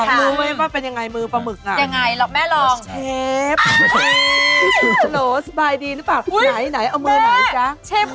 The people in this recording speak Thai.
เชฟเขาทำท่าแบบว่า